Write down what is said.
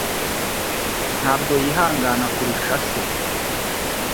Ntabwo yihangana kurusha se.